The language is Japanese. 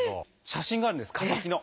写真があるんです化石の。